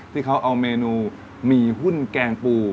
ที่เขาเอาเมนูหมี่หุ้นแกงปู